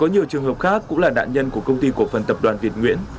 còn có nhiều trường hợp khác cũng là đạn nhân của công ty cổ phần tập đoàn việt nguyễn